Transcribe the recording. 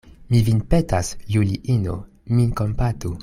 Mi vin petas, Juliino, min kompatu.